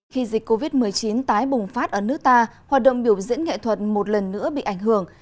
khi dịch covid một mươi chín tái bùng phát ở nước ta hoạt động biểu diễn nghệ thuật một lần nữa bị ảnh hưởng